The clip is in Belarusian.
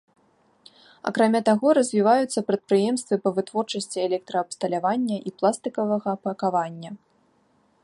Акрамя таго, развіваюцца прадпрыемствы па вытворчасці электраабсталявання і пластыкавага пакавання.